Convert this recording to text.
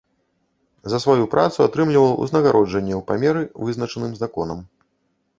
За сваю працу атрымліваў узнагароджанне ў памеры, вызначаным законам.